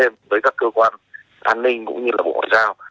và làm việc thêm với các cơ quan an ninh cũng như là bộ hội giao